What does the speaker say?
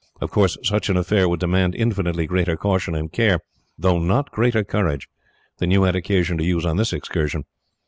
Of course, such an affair would demand infinitely greater caution and care, though not greater courage, than you had occasion to use on this excursion.